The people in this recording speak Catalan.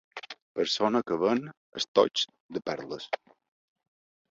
Persona que ven estoigs de perles.